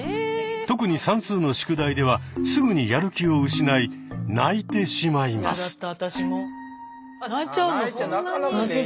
特に算数の宿題ではすぐにやる気を失い泣いてしまいます。